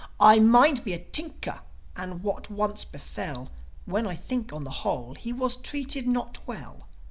"I mind me a Tinker, and what once befel, When I think, on the whole, he was treated not well.